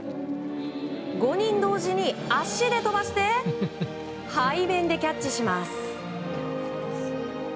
５人同時に足で飛ばして背面でキャッチします。